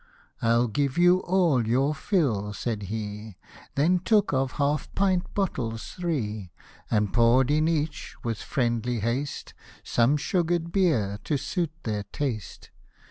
" I'll give you all your fill," said he : Then took of half pint bottles three, And pour'd in each, with friendly haste, Some sugar'd beer, to suit their taste.